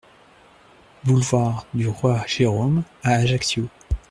Boulevard du Roi Jérôme à Ajaccio